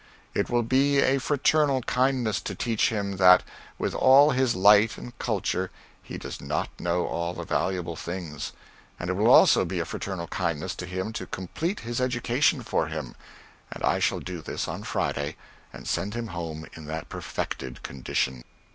It will be a fraternal kindness to teach him that with all his light and culture, he does not know all the valuable things; and it will also be a fraternal kindness to him to complete his education for him and I shall do this on Friday, and send him home in that perfected condition.